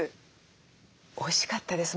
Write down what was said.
おいしかったです。